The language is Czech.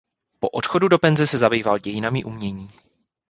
Po odchodu do penze se zabýval dějinami umění.